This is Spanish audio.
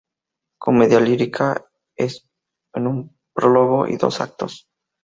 Comedia lírica en un prólogo y dos actos.